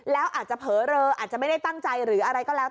แล้วอาจจะเผลอเลออาจจะไม่ได้ตั้งใจหรืออะไรก็แล้ว